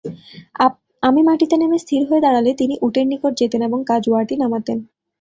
আমি মাটিতে নেমে স্থির হয়ে দাঁড়ালে তিনি উটের নিকট যেতেন এবং কাজওয়াটি নামাতেন।